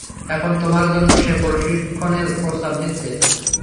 এখন তোমার জন্য, সে প্রশিক্ষণের প্রস্তাব দিচ্ছে।